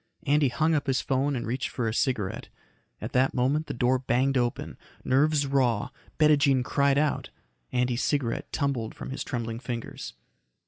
Andy hung up his phone and reached for a cigarette. At that moment the door banged open. Nerves raw, Bettijean cried out. Andy's cigarette tumbled from his trembling fingers.